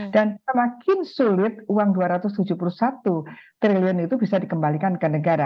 dan semakin sulit uang dua ratus tujuh puluh satu triliun itu bisa dikembalikan ke negara